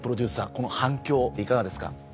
この反響いかがですか？